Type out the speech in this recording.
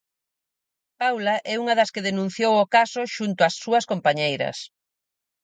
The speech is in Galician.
Paula é unha das que denunciou o caso xunto ás súas compañeiras.